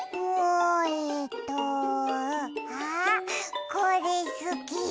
えとあっこれすき。